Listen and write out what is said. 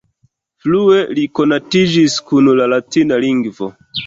Frue li konatiĝis kun la latina lingvo.